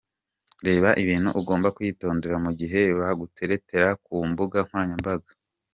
Reba ibintu ugomba kwitondera mu gihe baguteretera ku mbuga nkoranyambaga.